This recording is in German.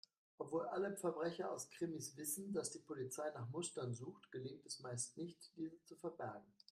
Obwohl alle Verbrecher aus Krimis wissen, dass die Polizei nach Mustern sucht, gelingt es meist nicht, diese zu verbergen.